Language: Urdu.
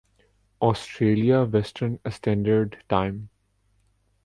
Australia western standard time